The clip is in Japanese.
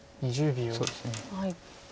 そうですね。